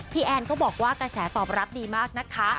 แอนก็บอกว่ากระแสตอบรับดีมากนะคะ